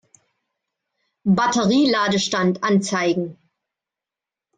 Batterie-Ladestand anzeigen.